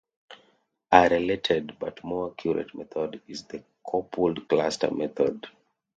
A related but more accurate method is the coupled cluster method.